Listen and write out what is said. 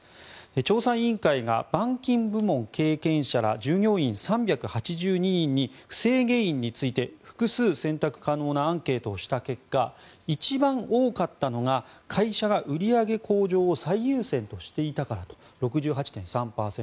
調査委員会が板金部門経験者ら従業員３８２人に不正原因について複数選択可能なアンケートをした結果一番多かったのが会社が売り上げ向上を最優先としていたからだと。６８．３％。